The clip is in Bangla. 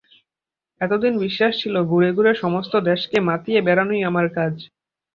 এতদিন বিশ্বাস ছিল ঘুরে ঘুরে সমস্ত দেশকে মাতিয়ে বেড়ানোই আমার কাজ।